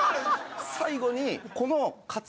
最後にこの。